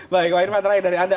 baik pak irman terakhir dari anda